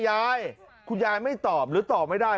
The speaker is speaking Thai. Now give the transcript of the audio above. ยายคุณยายไม่ตอบหรือตอบไม่ได้